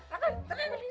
jalan jalan jalan